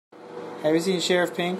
Have you seen Sheriff Pink?